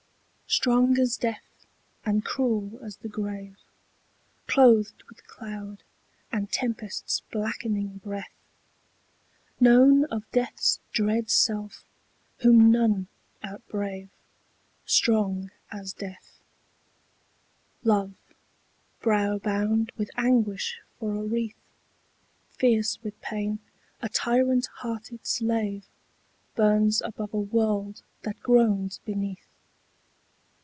STRONG as death, and cruel as the grave, Clothed with cloud and tempest's blackening breath, Known of death's dread self, whom none outbrave, Strong as death, Love, brow bound with anguish for a wreath, Fierce with pain, a tyrant hearted slave, Burns above a world that groans beneath.